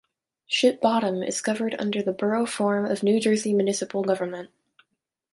Ship Bottom is governed under the Borough form of New Jersey municipal government.